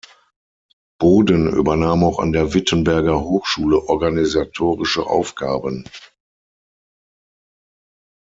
Boden übernahm auch an der Wittenberger Hochschule organisatorische Aufgaben.